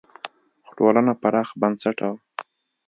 خو ټولنه پراخ بنسټه وه.